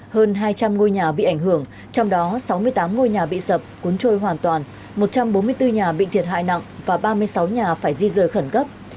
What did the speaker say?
hơn hai trăm linh ngôi nhà bị ảnh hưởng trong đó sáu mươi tám ngôi nhà bị sập cuốn trôi hoàn toàn một trăm bốn mươi bốn nhà bị thiệt hại nặng và ba mươi sáu nhà phải di rời khẩn cấp